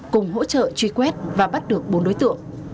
cùng hỗ trợ truy quét và bắt được bốn đối tượng